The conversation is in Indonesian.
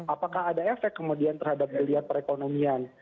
apakah ada efek kemudian terhadap geliat perekonomian